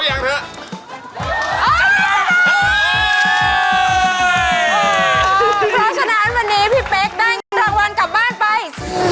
เพราะฉะนั้นวันนี้พี่เป๊กได้เงินรางวัลกลับบ้านไป